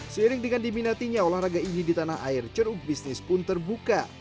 seiring dengan diminatinya olahraga ini di tanah air ceruk bisnis pun terbuka